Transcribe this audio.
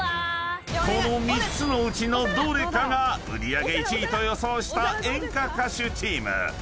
［この３つのうちのどれかが売り上げ１位と予想した演歌歌手チーム］